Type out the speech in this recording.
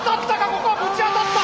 ここはぶち当たった！